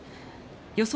予想